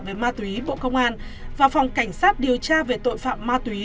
về ma túy bộ công an và phòng cảnh sát điều tra về tội phạm ma túy